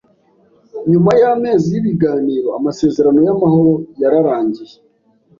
Nyuma y'amezi y'ibiganiro, amasezerano y'amahoro yararangiye.